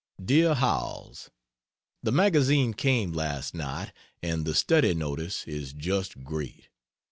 DEAR HOWELLS, The magazine came last night, and the Study notice is just great.